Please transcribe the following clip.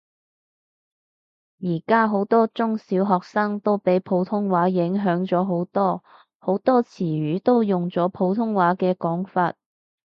而家好多中小學生都俾普通話影響咗好多，好多詞語都用咗普通話嘅講法